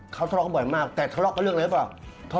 เขาทะเลาะกันบ่อยมากแต่ทะเลาะกับเรื่องอะไรหรือเปล่า